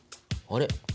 あれ？